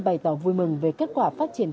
bày tỏ vui mừng về kết quả phát triển